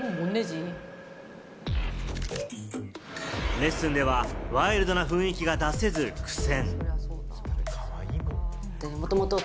レッスンではワイルドな雰囲気が出せず苦戦。